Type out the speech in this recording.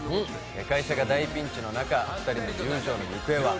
会社が大ピンチの中、２人の友情の行方は？